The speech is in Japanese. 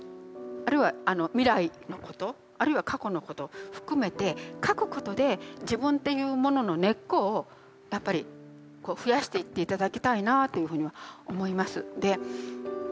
あるいは未来のことあるいは過去のこと含めて書くことで自分というものの根っこをやっぱり増やしていって頂きたいなというふうには思います。